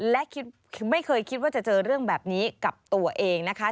และไม่เคยคิดว่าจะเจอเรื่องแบบนี้กับตัวเองนะคะ